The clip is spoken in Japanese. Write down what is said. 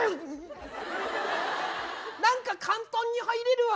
何か簡単に入れるわ。